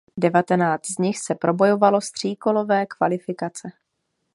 Devatenáct z nich se probojovalo z tříkolové kvalifikace.